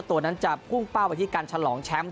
ตัวนั้นจะพุ่งเป้าไปที่การฉลองแชมป์